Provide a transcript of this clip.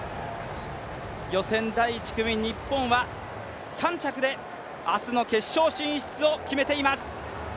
予選第１組、日本は３着で明日の決勝進出を決めています。